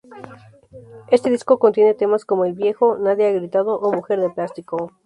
Este disco contiene temas como "El viejo", "Nadie ha gritado" o "Mujer de plástico".